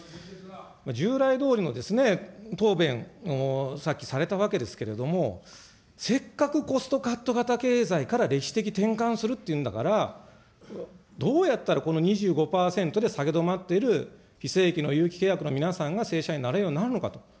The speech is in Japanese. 従来どおりの答弁をさっきされたわけですけれども、せっかくコストカット型経済から歴史的転換するっていうんだから、どうやったらこの２５％で下げ止まっている非正規の有期契約の皆さんが正社員になれるようになるのかと。